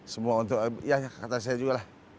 semua untuk ya kata saya juga lah